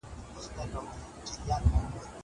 کېدای سي کتابونه ستړي وي!!